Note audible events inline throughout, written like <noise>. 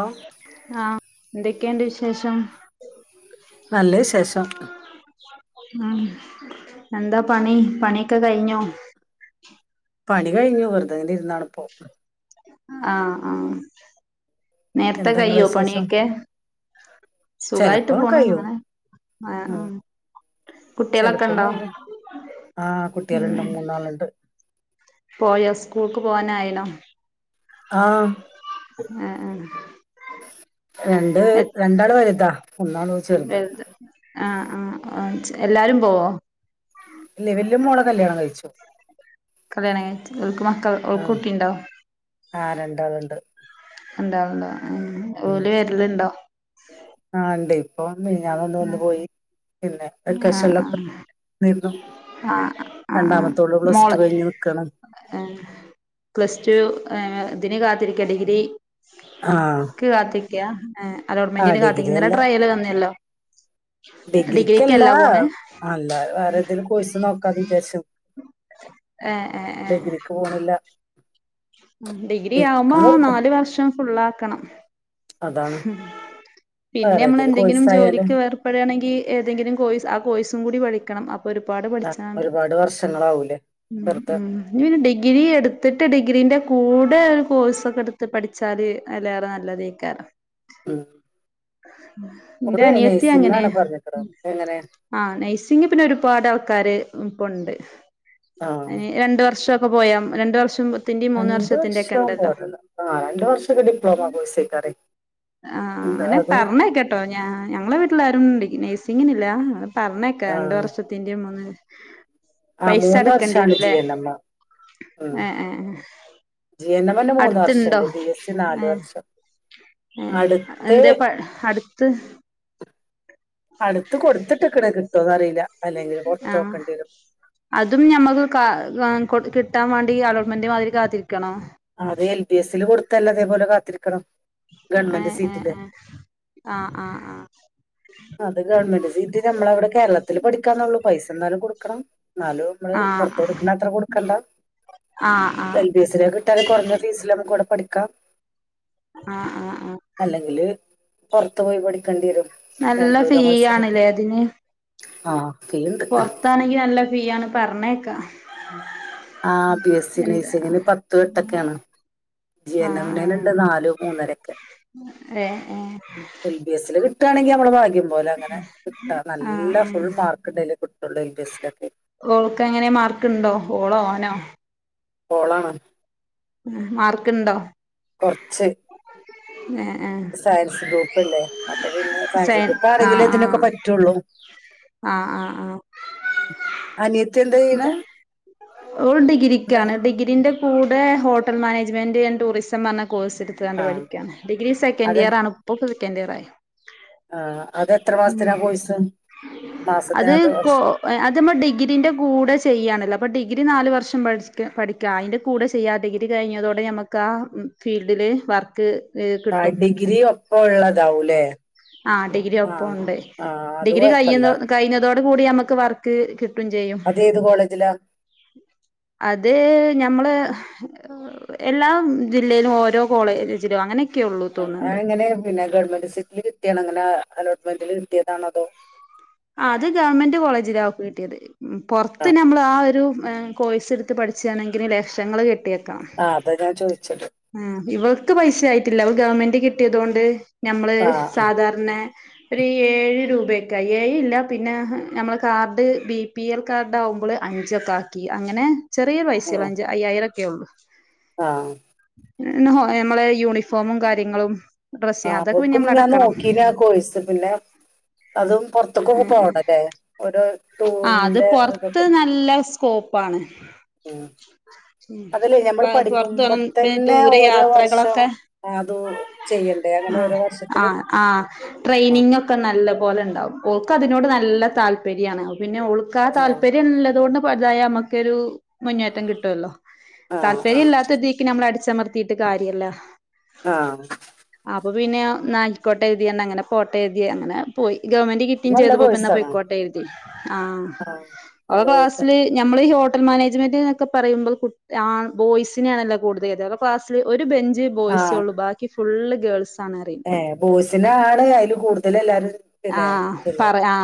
ആ ആ എന്തൊക്കെയണ്ട് വിശേഷം നല്ല വിശേഷം ഉം എന്താ പണി പണിയൊക്കെ കഴിഞ്ഞോ പണി കഴിഞ്ഞു വെറുതെ ഇങ്ങ ണപ്പോ ആ ആ നേരത്തെ എന്താ ഇങ്ങളെ കയ്യോ വിശേഷം പണിയൊക്കെ സുഖായിട്ട് ചെലപ്പോ പോണു കഴിയും അങ്ങനെ ആ ഉം ഉ കുട്ടികളൊക്കെ ചെലപ്പം ഉണ്ടോ കഴിയും ആ ഉ കുട്ടികളുണ്ട് മൂന്നാളുണ്ട് പോയോ സ്കൂൾക്ക് പോവാനായിനോ ആ ആഹ് ആഹ് രണ്ട് എത് രണ്ടാള് വലുതാ പുണ്ണാണ് ഒരു ച്ചെറുത് ആ എല്ലാരും പോവോ ഇല്ലേ വല്യമോള കല്യാണം കയിച്ചു കല്യാണം കഴിച്ചു ഓല്ക്ക് മ ആഹ് ആ രണ്ടാള്ണ്ട് ഒണ്ടാവും ണ്ടാവും ഉം ഓല് വരല്ണ്ടോ ആഹ് ഉണ്ട് ഇപ്പൊ മിനിഞ്ഞാന്നൊന്ന് ആ വന്ന് പോയി പിന്നെ ആ വെക്കേഷനിലൊക്കെ നിന്നു ആ ആ ആ രണ്ടാമത്തോള് പ്ലസ് ടു മോള് കഴിഞ്ഞ് നിക്കാണ് പ്ലസ് ടു ത്തിന് കാത്തിരിക്ക ഡിഗ്രി ആഹ് ക്യാ ഏഹ് അലോട്ട്മെന്റിന് കാത്തിന്ന് ഇന്നലെ ട്രയല് തന്നല്ലോ. ഡിഗ്രിക്കല്ല ഡിഗ്രിക്കല്ലാ. പോണ് അല്ലാതെ വേറെ പതേലും കോഴ്സ് നോക്കാന്ന് വിചാരിച്ചും. ഏഹ് ഡിഗ്രിക്ക് പോണില് ല്ല ഉം ഡിഗ്രി ആവുമ്പോ നാല് വർഷം ഫുള്ളാ ക്കണം അതാണ് പിന്നെ വേറെ ഞമ്മള് ഏതേലും എന്തെങ്കിലും കോഴ്സായാല് ജോലിക്ക് വേർപ്പെടുകയാണെങ്കി ഏതെങ്കിലും കോഴ്‌സ് ആ കോഴ്സും കൂടി പഠി ക്കണം അ പ്പൊരുപാട് പഠിച്ചാണ്ട്. ഒരുപാട് വർഷങ്ങളാവൂലേ ഉം വെറുതെ ഉം ഇഞ്പിന്നെ ഡിഗ്രി എടുത്തിട്ട് ഡിഗ്രീന്റെ കൂടെ ഒരു കോഴ്സൊക്കെട്ത്ത് പഠിച്ചാല് അതിലേറെ നല്ലതേക്കാരം ഉം ഇന്റെ ഓള് അനിയത്തി അങ്ങനെ. നഴ്സിംഗാണ് പറഞ്ഞിക്കണത് എങ്ങനെ ആഹ് നൈസിങ്ങ് പിന്നെ ഒരുപാട് ആൾക്കാര് ഇപ്പം ഉണ്ട് ആഹ് അയ്ന് രണ്ട് വർഷം പ്പെ പോയാം രണ്ട് വർഷം മു രണ്ട് വർഷം പോയത് ആ രണ്ട് വർഷൊക്കെ ഡിപ്ലോമ കോഴ്സ് ആക്കാരെ ആ അങ്ങനെ പറഞ്ഞെക്കട്ടോ ഞാ ഞങ്ങളെ വീട്ട്ലാരും ണ്ട് നേഴ്സിങ്ങിനില്ല പറഞ്ഞേക്കാ രണ്ട് ആഹ് വർഷത്തിന്റെ മുന്ന് ആഹ് പൈസ മൂന്ന് അടക്കേണ്ടി വർഷാണ് ജി വരുംലെ എൻ എം ഉം ഏ ഏ ജി, എൻ, മ്മേന്നെ മൂന്ന് വർഷംണ്ട് ബി, എസ്, നാല് വർഷം ഏ അടുത്ത് എന്തേ പ അട്ത്ത് കിട്ടോന്ന് അറീല ആ അതും ഞമ്മക്ക് കാ കൊട് കിട്ടാൻ വാണ്ടി അലോട്ട്മെന്റ് മാതിരി കാത്തിരി അത് എൽ, പി, എസ്സില് കൊട് തല്ല അതേപോലെ കാത്തിരിക്കണം ഏ ഗവൺമെന്റ് ഏ സീറ്റില് ഏ ആ ആ ആ അത് ഗവൺമെന്റ് സീറ്റ് നമ്മളവിടെ കേരളത്തില് പഠിക്കാന്നള്ളു പൈസ എന്നാലും കൊടുക്കണം എന്നാലും നമ്മള് ആഹ് പുറത്ത് ആഹ് കൊടുക്കുന്നത്ര കൊടുക്കണ്ട ആഹ് ആഹ് എൽ ബി എസിൽ കിട്ടാൽ കുറഞ്ഞ ഫീസില്ഒക്കെ കോഡ് പഠിക്കാം ആ ആ ആ പുറത്തു പോയി പഠിക്കേണ്ടി വരും നല്ല ഫീ ബാംഗ്ലൂരോ മൈസൂരൊക്കെ ആണല്ലേ അതിന് ആ ഫീ ഉണ്ട് പൊറത്താണെങ്കി നല്ല ഫി ആണ് പറഞ്ഞേക്ക ആ ബി എസ് സി നഴ്സിങ്ങിന് പത്തും എട്ടൊക്കെയണ് ജി ൻമം ആഹ് മിനെനെണ്ട് ആഹ് നാലോ മൂന്നരൊക്കെ ഏഹ് ഏഹ് എൽ ബി എസിൽ കിട്ടാണെങ്കിൽ നമ്മളെ ഭാഗ അ അ ഫുൾ മാർക്ക് ഉണ്ടെങ്കിലേ കിട്ടുള്ളൂ എൽ ബി എസിലൊക്കെ ഓൾക്ക് ഏങ്ങനെ മാർക്കുണ്ടോ ഓളോ ഓ നെ ഓളണ് മാർക്ക്ണ്ടോ കുറച്ച് ഏഹ് ഏഹ് സയൻസ് ഗ്രൂപ്പ്ല്ലേ അപ്പൊ പിന്നെ സയൻസ് സയൻ ആഹ് ഗ്രൂപ്പാണെങ്കിലും ഇതിനൊക്കെ ആഹ് പറ്റുള്ളൂ ആഹ് അനിയ ല്ല ഓൾ എന്താ ഡിഗ്രിക്കാണ് ഡിഗ്രീന്റെ കൂ ടെ ഹോട്ടൽ മാനേജ്മെന്റ് എന്റ് ടൂറിസം പറഞ്ഞ കോഴ്സ് എടുത്താണ്ട് ആ പഠിക്ക ഡിഗ്രി സെക്കൻഡ് അത് ഇയർ ആണ് ഇപ്പോകെ ക്കൻറ്റിയാരാ ആ അത് എത്ര മാസത്തിനാ കോയിസ് അത് മാസത്തിനെ കോ വർഷ അത് നമ്മൾ ഡിഗ്രീന്റെ കൂടെ ചെയ്യായാണല്ലോ അപ്പൾ ഡിഗ്രി നാല് വർഷം പഠിക്ക പഠിക്ക അതിൻ്റെ കൂടെ ചെയ്യാം ഡിഗ്രി കഴിഞ്ഞതോടെ നമുക്ക് ആ ഫീൽഡില് വർക്ക് ആ കിട്ടും ഡിഗ്രി ഒപ്പം ഉള്ള താവുലെ ആ ഡിഗ്രി ഒപ്പണ്ട് അത് ഡിഗ്രി കുഴപ്പമില്ല കഴുന്ന കഴിഞ്ഞതോടെ കൂടി നമക്ക് വർക്ക് കിട്ട് ട്ടും ചെയ്യും അത് ഏത് കോളേജിലാ അത് നഞമ്മള് എല്ലാ ജില്ലയിലും ഓരോ കോളേജിലും അങ്ങന ആഹ് അങ്ങനെ പിന്നെ <unintelligible> <unintelligible> അങ്ങനെ അലോട്ട്മെന്റില് കിട്ടയതാണോതോ ആ അത് ഗവൺമെന്റ് കോളേജിലാ അവക്ക് കിട്ടിയത് പൊറത്ത് നമ്മൾ ആ ഒരു കോഴ്സ് എടുത്ത് പഠിച്ചാണെങ്കിൽ ലക്ഷങ്ങൾ കെട്ടി ആഹ് അതാ ഞാൻ ചോദിച്ചത് ഇവൾക്ക് പൈസ ആയിട്ടില്ല <unintelligible> ഗവൺമെന്റ് കിട്ടിയതുകൊണ്ട് ഞമ്മള് ആ ആ സാധാരണ ഒരു ഏഴ് രൂപക്കെ ഏഴ് ഇല്ല പിന്നെ നമ്മളെ card B P L card ആകുമ്പോൾ അഞ്ചൊക്കെ ആക്കി അങ്ങനെ ചെറിയ പൈസേള്ള് അഞ്ച് അയ്യായിരം <unintelligible> ആഹ് <unintelligible> നമ്മളെ യൂണിഫോമും കാര്യങ്ങളും ആ ഡ്രസ്സ് അതൊക്കെ പിന്നെ അവക്കും നമ്മൾ ഞാൻ അടക്കണം നോക്കീന കോഴ്സ് പിന്നെ അതും ആഹ് അത് <unintelligible> <inaudible> <inaudible> ഉം. അതല്ലേ നമ്മൾ പുറത്ത് പഠിക്കുമ്പോ പോണ തന്നെ ദൂരയെ ഓരോ വർഷം യാത്രകളൊക്കെ അത് ചെയ്യണ്ടേ അങ്ങനെ ഓരോ ആ വർഷത്തിലും ആ ആ ട്രെയിനിങ് ഒക്കെ നല്ലപോലെ ഉണ്ടാവും ഓൾക്ക് അതിനോട് നല്ല താൽപ്പര്യം ആണ് <inaudible> <inaudible> ആ ആ <unintelligible> <inaudible> <inaudible> <inaudible> ഇപ്പൊ പിന്നെ അങ്ങനെ ആട്ടെ അങ്ങനെ പോയിരിക്കുവാ അവൻ <inaudible> <inaudible> ഇത് ഇത്തിരി നല്ല കോഴ്സാണ് ആ നല്ല കോഴ്സ് തന്നെ ആ ബോയ്സെ ഉള്ളു ബാക്കി <inaudible> ഏ പോയ്സൺ ആണ് അതില് കൂടുതൽ എല്ലാരും ആ പിന്നെ ചെല്ലുക. ആ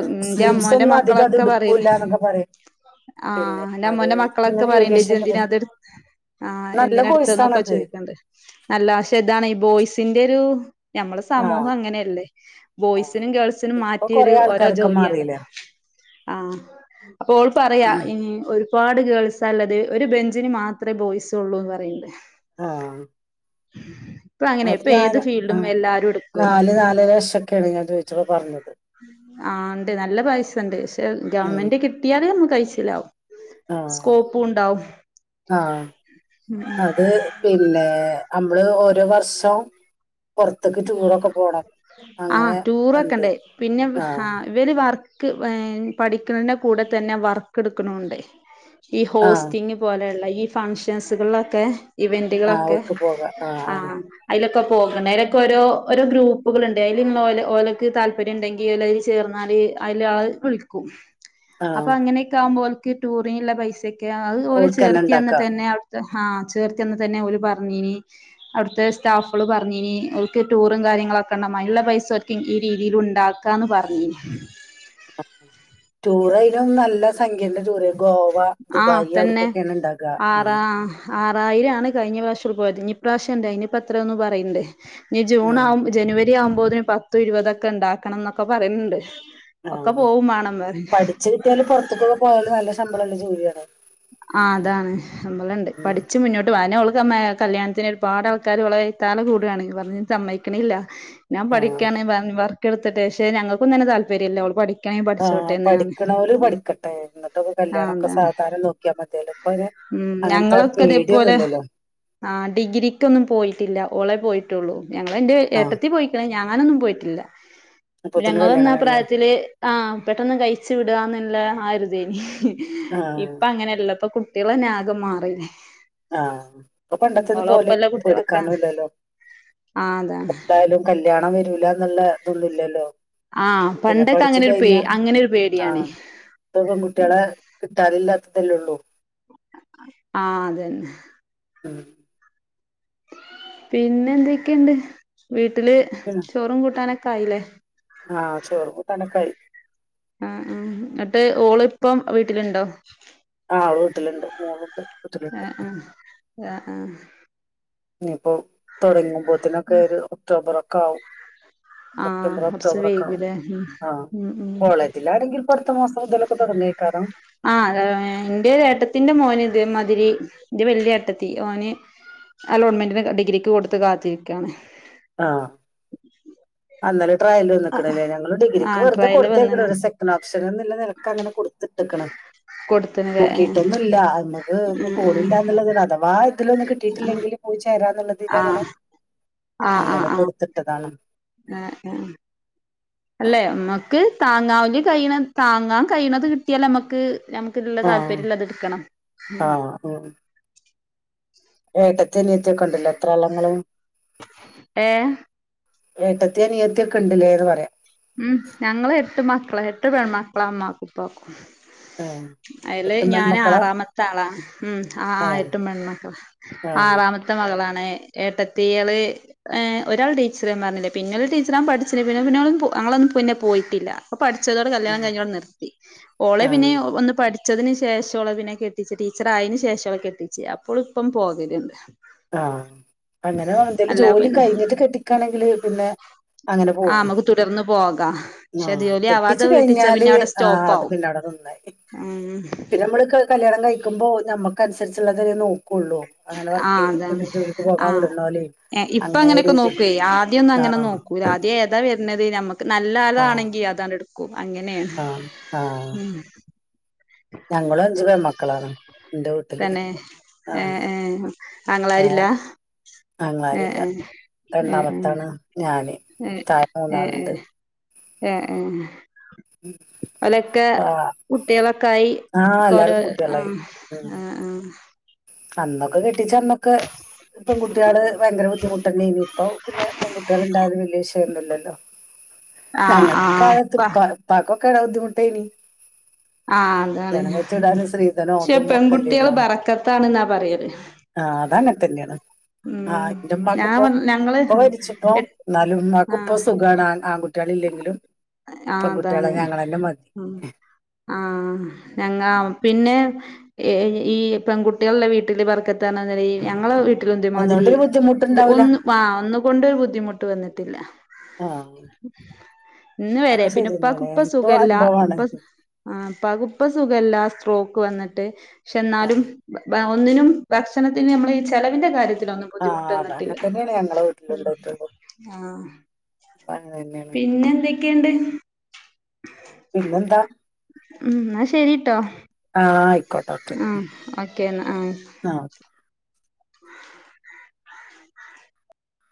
ഉം. മുസ്ലിംസ് മോന്റയ് ഒന്നും മക്കൾ അധികം അത് ഓക്കെ എടുക്കൂല എന്നൊക്കെ പറയും പിന്നെ അത് ഇങ്ങനെ പറയുന്നു ചേച്ചി ഏവിയേഷന്റെ എന്തിനാ അതു നല്ല കോഴ്സാണത് എടുത്തത് വല്ല ആവിശ്യം <inaudible> <unintelligible> <inaudible> ആ ആ ബോയ്‌സിനും, ഗേൾസിനും ഇപ്പൊ മാറ്റി കൊറേ ഒരോ ആൾക്കാരൊക്കെ ജോലി ആണ് മാറിയില്ലേ ആ അപ്പൊ ഓള് പറയുവാ ഒരുപാട് ഗേൾസ് ആ ഉള്ളത്, ഒരു ബഞ്ചിനു മാത്രമേ ബോയ്സ് ഉള്ളു എന്ന് പറയുന്നു ആഹ് ഇപ്പ അങ്ങനെ അത് ഇപ്പ ഞാൻ ഏത് ഫീൽഡും എല്ലാരും എടുക്ക്വേ ക്കെയാണ് ഞാ ചോയിച്ചപ്പോ പറഞ്ഞത് ആ ഇണ്ട് നല്ല പൈസ ഇണ്ട് ക്ഷെ ഗവൺമെന്റ് കിട്ടിയാല് കഴിച്ചിലാവും ആ ആ അത് പിന്നെ മ്മള് ഓരോ വർഷം പുറത്തേക്ക് ടൂറൊക്കെ പോണം ആ അങ്ങനെ ഉണ്ട് ടൂറൊക്കണ്ടേ പിന്നെ ആ ആഹ് ഇവര് വർ ക്ക് വേ പഠിക്കണന്റെ കൂടെ തന്നെ വർക്കെടുക്കണോണ്ട് ഈ ആഹ് ഹോസ്റ്റിങ് പോലെയുള്ള ഈ ഫംങ്ഷൻസുകളിലൊക്കെ ആഹ് ഇവന്റുകളൊക്കെ അവർക്ക് പോകാം ആഹ് ആ ആഹ് അയിലൊക്കെ പോകണേര പോരോ ഓരോ ഗ്രൂപ്പുകള്ണ്ട് അയില് മ്മള് ഓല ഓലക്ക് താല്പര്യം ഇണ്ടെങ്കില് ചേർന്നാല് അയില് വിളിക്കും അപ്പ ആഹ് അങ്ങനെയെക്കെ ആവുമ്പോൽ ക്ക് ടൂറിന്ള്ള പൈസ കെ അത്പോലെ ഓൾക്കന്നെ ചേർത്തി അന്ന ഉണ്ടാക്ക തന്നെ ഹാ ചേർത്തി അന്ന് തന്നെ ഓര് പറഞ്ഞീനി അവിടുത്തെ സ്റ്റാഫുകള് പറഞ്ഞീനി ക്ക് റ്റൂറും കാര്യങ്ങളൊക്കെ നമ്മ പൈസക്കും ഈ രീതിയിലുണ്ടാക്കാന്ന് പറഞ്ഞീനി റ്റൂറയിനും നല്ല സംഖ്യന്റെ ടൂർ ഗോവ ആ ദുബായ് അവിടക്കൊക്കെയാണ് ഇണ്ടാക്അ ആ ആറായിരാണ് കയിഞ്ഞ പ്രാവശ്യ പോയതിനി ഇനിപ്രാവശ്യം ഇണ്ട് അയിനിപ്പ എത്രയൊന്ന് പറയ്ണ്ട് നി ആഹ് ജൂണാവും ജനുവ ആവുമ്പോതിന് പത്തും ഇരുവതൊക്കെ ഇണ്ടാക്കണന്നൊക്കെ പറയണണ്ട് ആ പഠിച്ച് കിട്ടിയാല് പൊറത്ത്ക്കൊക്കെ പോയല് നല്ല ശം മ്പളൊള്ള ജോലിയാണേ ആ അതാണ് സമ്പളണ്ട് പഠിച്ച് മുന്നോട്ട് വാന അതെന്നെ <unintelligible> കല്യാണത്തിന് ഒരുപാട് ആൾക്കാരിവളെ വ്യെതാല് കൂട്വാണ് പറഞ്ഞ് സമ്മയിക്കണില്ല ഞാം ആഹ് പഠിക്കാണെ പറഞ്ഞ് പറഞ്ഞ് ട്ടി എളുത്തിട്ടേ ക്ഷെ ഞങ്ങക്കൊന്നു അയിന് താല്പര്യല്ലാ ഓള് പഠി ആ പഠിക്കണവര് പഠിക്കട്ടെ എന്നിട്ടൊക്കെ ആ കല്യാണൊക്കെ അതാണ് സാധാര നോ ഉം ഞങ്ങളൊക്കെ അതേപോലെ പേടിയൊന്നുല്ലല്ലോ ആ ഡിഗ്രിക്കൊന്നും പോയിട്ടില്ല ഓളെ പോയിട്ടുള്ളൂ ഞങ്ങള് എന്റെ ആഹ് ഏട്ടത്തി പോയിക്കണ് ഞാൻ ഞാനൊന്നും പോയിട്ടില്ല അപ്പൊത്തിന് ഞങ്ങള് വന്ന കല്യാണം ആ കഴിഞ്ഞു പ്രായത്തില് ആഹ് പെട്ടന്നു കഴിച്ചു വിടുകാന്നല്ലേ ആരുതെനി ആ അങ്ങനല്ലപ്പ കുട്ടികളന്നെ ആകെ മാറീല്ലേ ആഹ് ഇപ്പൊ പണ്ടത്തെന്നും പോലെ കുട്ടികളൊക്കെ എടുക്കാനുംല്ലല്ലോ ആ അതാണ് എപ്പളായാലും കല്യാണം വരു മില്ലാന്നുള്ള ഇതൊന്നുവില്ലല്ലോ ആഹ് പിന്നെ പണ്ടൊക്കെ പഠിച്ചു അങ്ങനെ ഒരു പേ കഴിഞ്ഞാ അങ്ങനെ ഒരു പേടിയാണ് ആഹ് ഇപ്പൊ പെൺകുട്ടികളെ കിട്ടാതില്ലാത്തതല്ലേള്ളൂ ആഹ് അതന്നെ ഉം പിന്നെ എന്തൊക്കെയുണ്ട് വീ ട്ടില് പിന്നെ ചോറും കൂട്ടാനൊക്കെ കായില്ലേ ആഹ് ചോറും കൂട്ടാനുക്കെആയി മ്ഹ് മ്ഹ് എന്നിട്ട് ഓള് ഇപ്പം വീട്ടിലുണ്ടോ ആള് വീട്ടിലുണ്ട് മോളുണ്ട് ആ വീട്ടിലുണ്ട് ആ ആ ആ ഇനീപ്പോ തൊടങ്ങും പോത്തിനൊക്കെ ഒരു ഒക്ടോബറ് ക്കാവും ആ സെപ്റ്റംബർ കുറച്ച് ഒക്ടോബർ ഒക്കെ ആവും വൈകൂലേ ഉം ആ ഉം ഉം കോളേജിലാണെങ്കിൽ പടുത്തം ആ അതെ എന്റെത് ഏട്ടത്തീന്റെ മോന് ഇതേ മാതി ഇത്തിരി ഇന്റെ വലിയേട്ടത്തി ഓന് അലോട്ട്മെന്റിന് ഡിഗ്രിക്ക് കൊടുത്ത് കാത്തിരിക്കയാണ് ആഹ് അന്നാലും പ്രായല്ലേ നിക്കണ് ഞങ്ങൾ ആ ഡിഗ്രിക്ക് വെറുതെ ട്രയല് കൊടുത്തേക്കണ്‌ വന്നിന് ഒരു സെക്കൻ ഓപ്ഷൻ എന്ന നിലക്ക് അങ്ങനെ കൊടുത്തിട്ടേക്കണ് കൊടുത്തിന് ല്ലേ നോക്കിയിട്ടൊന്നുംല്ല നമ്മുക്ക് ഫോണില്ല എന്നുള്ളത് അഥവാ ഇതിലൊന്നും കിട്ടിയിട്ടില്ലെങ്കിൽ പോയി ചേരാന്നുള്ളത് ആഹ് അങ്ങനെ കൊടുത്തിട്ടതാണ് ഏ ഏ അല്ലെ നമ്മക്ക് താങ്ങാവല് കഴിഹണത് താങ്ങാൻ കഴിയണത് കിട്ടിയാലേ നമ്മക്ക് ഞമുക്ക് ഇതിനുള്ള ആ താല്പര്യള്ളതെടുക്കണം മ് എടക്ക്‌ അനിയത്തിക്കെ ഇണ്ട് ല്ലേ എത്ര ആളാ ഇങ്ങള് ഏഹ് ഏട്ടത്തി അനിയത്തി ഒക്കെണ്ട്ലേന്ന് പറയാ ഉം ഞങ്ങള് എട്ട് മക്കളാ എട്ടു പെൺ മക്കളാ മ്മാക്കും ഇപ്പാക്കും ഏ, അയില് എട്ടും ഞാൻ പെൺമക്കളാ ആറാമത്തെ ആളാ ഉം ആ ഏ ആയെട്ടും പെൺമക്കളാ ആ ആറാമത്തെ മകളാണ് ഏട്ടത്തിയള് ഒരാൾ ടീച്ചർ പറഞ്ഞിലെ പിന്നെ ടീച്ചറാവാൻ പഠിച്ചിണ് പിന്നെ പിന്ന അങ്ങളൊന്നും പിന്നെ പോയിട്ടില്ല പഠിച്ചതോട് കല്യാണം ഉം, കഴിഞ്ഞോടെ നിർത്തി ഓളെ ആ പിന്നെ ഒന്ന് പഠി പഠിച്ചതിന് ശേഷാ ഓളെ പിന്നെ കെട്ടിച്ചേ ടീച്ചറായേന് ശേഷാ ഓളെ കെട്ടിച്ച് അപ്പോൾ ഇപ്പം ഓൾ പോകല്ണ്ട് ആഹ അങ്ങനെ എന്തേലും അല്ലാ ജോലി പിന്നെ കഴിഞ്ഞിട്ട് കെട്ടിക്കയാണെങ്കില് പിന്നെ അങ്ങനെ ആ പോകും നമുക്ക് തുടർന്ന് പോക ആ പക്ഷെ ജോലി ആവാതെ കെട്ടിച്ചു കെട്ടിച്ച കഴിഞ്ഞാല് പിന്നെ അവിടെ ആ സ്റ്റോപ്പ അത് ആവും പിന്നെ അവിടെ നന്നായി ഉം പിന്നെ നമ്മള് ക- കല്യാണം കഴിക്കുമ്പോ നമ്മുക്ക് അനുസരിച്ചുള്ളതെല്ലേ നോക്കൊള്ളൂ ആ അതാണ് ആഹ ഇപ്പൊ അങ്ങനെ ഒരു അങ്ങനെയൊക്കെ ഇത് നോക്കുവേ ആദ്യ ഒന്നും ആ അങ്ങനെ നോക്കൂ ആദ്യം ഏതാ വരുന്നത് നമ്ക്ക് നല്ല ആ നല്ലതാണെങ്കി അതണ്ട് ടുക്കും അങ്ങനെയാണ് ആ ആ ഉ ഞങ്ങളും അഞ്ച് പെൺമക്കളാ ക്കളാണ് തന്നെ ഏ ഏ ആങ്ങളാരില്ല അങ്ങളാരി ല്ല ഏഹ് ഏഹ് രണ്ടാമത്താണ് ഞാന് താഴെ മൂന്നാളുണ്ട് ആഹ ആഹ ഓലൊക്കെ ആ കുട്ടിയളൊക്ക ആയി ആ എല്ലാരും ക്കൊരോ കുട്ടികളായി ഉം അന്നൊക്കെ കെട്ടിച്ച് അന്നൊക്കെ പെൺകുട്ടികള് ഭയങ്കര ബുദ്ധിമുട്ടെന്നേനി ഇപ്പൊ പിന്നെ പെൺകുട്ടികൾ ഉണ്ടായത് വല്യ ന്നില്ലല്ലോ <inaudible> ആഹ് ആഹ് ഞങ്ങളെ ആഹ് ആഹ് ഇപ്പ കാലത്തൊക്കെ പ്പാ പ്പാക്കോ ക്കൊരു ബുദ്ധിമുട്ടേനി <unintelligible> ആഹ അതാണ് കല്യാണം കഴിച്ചു വിടാനും സ്ത്രീധനോ പക്ഷെ അതും ഒക്കെ പെൺകുട്ടികള് അല്ലേന്നാണ് ബാറക്കത്ത ആന്നാ പറയല് ഉം ആഹ ഇന്റെ ഇമ്മാക്ക് ഞാൻ ഇപ്പോ വ ഞങ്ങള് ഇപ്പ മരിച്ചിരുന്ന് എ ന്നാലും ഇമ്മാക്ക് ഇപ്പൊ ആഹ് സുഖാണ് ആൺകുട്ടിയളില്ലെങ്കിലും ആഹ് പെൺകുട്ടിയളെ അതാണ് ഞങ്ങളെന്നെ മതി ഉം ആഹ് ഞങ്ങ പിന്നെ ഈ ഇപ്പം പെൺകുട്ടിയ ഇള്ള വീട്ടിൽ ബറക്കത്താന ഞങ്ങളെ വീ തേ മാതിരി ഒന്നുകൊണ്ടൊരു ഒ ബുദ്ധിമുട്ടുണ്ടാവില്ല ആ ഒന്നുകൊണ്ടൊരു ബുദ്ധിമുട്ട് വന്നിട്ടില്ല ആ ഇന്ന് വരെ അതൊക്കെ ശരി പിന്നെ ഇപ്പാക്ക് തന്നെയാണ് ഇപ്പ എനിക്കും സുഖല്ല അനുഭവമാണ് ഇപ്പക്ക് സുഖല്ല സ്ട്രോ ക്ക് വന്നിട്ട് പക്ഷെ ആ എന്നാലും ഒന്നിനും ഭക്ഷണത്തിന് നമ്മൾ ഈ ചില ന്റെ കാര്യത്തി ഇൊന്നും ആ ബുദ്ധിമുട്ട് അത് അങ്ങനെ വന്നിട്ടില്ല തന്നെയാണ് ഞങ്ങളെ ഉ വീട്ടിലുണ്ടായിട്ടുള്ളൂ ആഹ അങ്ങനെ തന്നെയാണ് പിന്നെ എന്തൊക്കെയുണ്ട് ഉം പിന്നെന്താ? ഉം ശെരിട്ടോ ആഹ ആയിക്കോട്ടെ ഓക്കെ ആ ഓെ ഉ